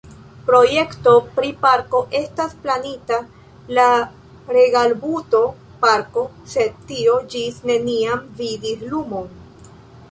Projekto pri parko estas planita, la Regalbuto-parko, sed tio ĝis neniam vidis lumon.